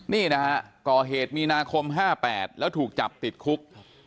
นี่นะฮะก่อเหตุมีนาคม๕๘แล้วถูกจับติดคุก